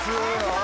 あ